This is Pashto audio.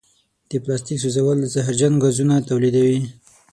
د پلاسټیک سوځول زهرجن ګازونه تولیدوي.